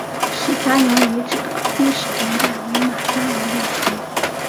石家营遗址的历史年代为马家窑类型。